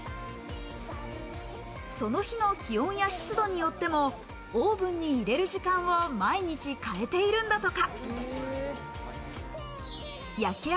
その日の気温や湿度によってもオーブンに入れる時間を毎日変えているんだとか。